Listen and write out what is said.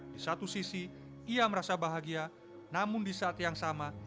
di satu sisi ia merasa bahagia namun di saat yang sama